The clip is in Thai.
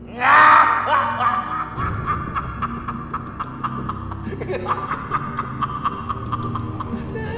ฮ่าเดี๋ยวเกี่ยวกับมันได้เลย